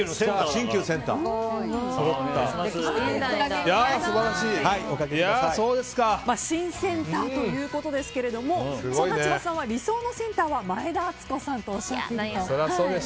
新センターということですけどそんな千葉さんは理想のセンターは前田敦子さんとおっしゃっていました。